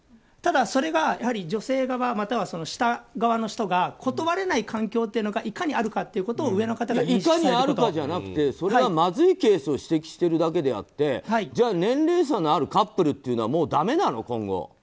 ただ、それが女性側、またはした側の人が断れない環境というのがいかにあるかということをいかにあるかじゃなくてそれはまずいケースを指摘してるだけであってじゃあ年齢差のあるカップルというのはだめなの？